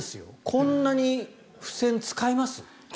こんなに付せん、使います？